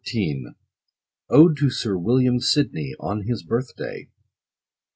— ODE TO SIR WILLIAM SIDNEY, ON HIS BIRTH DAY.